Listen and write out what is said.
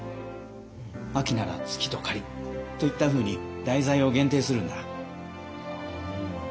秋なら「月と雁」といったふうに題材を限定するんだ。